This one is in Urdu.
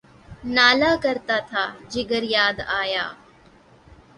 نالہ کرتا تھا، جگر یاد آیا